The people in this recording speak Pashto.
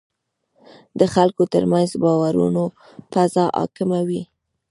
د خلکو ترمنځ باورونو فضا حاکمه وي.